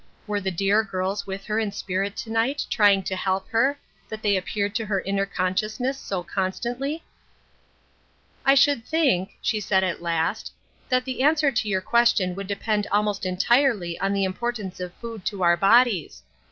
Were the dear girls with her in spirit to night trying to help her, that they appeared to her inner consciousness so constantly ?"" I should think," she said at last, " that the answer to your question would depend almost entirely on the importance of food to our bodies.